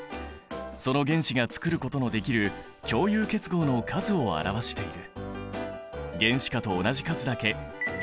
その原子がつくることのできる共有結合の数を表している。